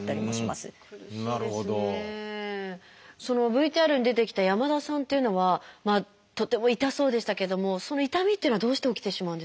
ＶＴＲに出てきた山田さんっていうのはとても痛そうでしたけどもその痛みっていうのはどうして起きてしまうんですか？